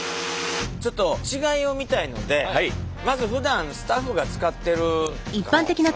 ちょっと違いを見たいのでまずふだんスタッフが使ってる傘ですね